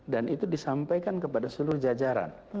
dan itu disampaikan kepada seluruh jajaran